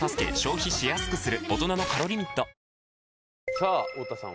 さあ太田さん